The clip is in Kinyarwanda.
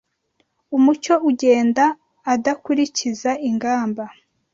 Umucyo ugenda adakurikiza ingamba